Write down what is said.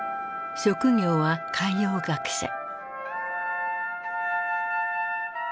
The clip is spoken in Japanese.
職業は海洋学者。